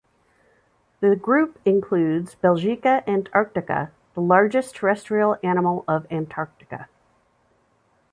The group includes "Belgica antarctica", the largest terrestrial animal of Antarctica.